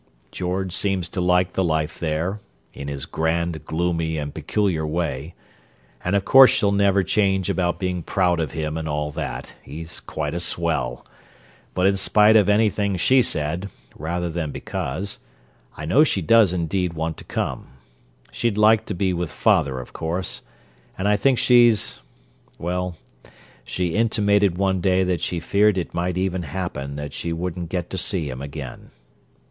George seems to like the life there—in his grand, gloomy, and peculiar way; and of course she'll never change about being proud of him and all that—he's quite a swell. But in spite of anything she said, rather than because, I know she does indeed want to come. She'd like to be with father, of course; and I think she's—well, she intimated one day that she feared it might even happen that she wouldn't get to see him again.